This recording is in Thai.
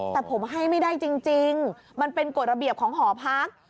แต่ผมให้ไม่ได้จริงมันเป็นกฎระเบียบของหอพัก